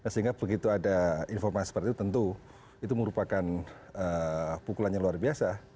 sehingga begitu ada informasi seperti itu tentu itu merupakan pukulan yang luar biasa